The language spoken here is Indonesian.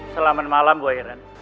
selamat malam bu airen